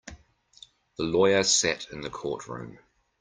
The lawyer sat in the courtroom.